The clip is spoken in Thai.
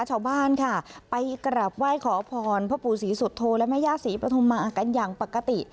ชาวบ้านค่ะไปกราบไหว้ขอพรพ่อปู่ศรีสุโธและแม่ย่าศรีปฐุมมากันอย่างปกติ